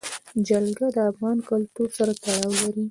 جلګه د افغان کلتور سره تړاو لري.